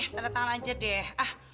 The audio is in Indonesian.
tanda tangan aja deh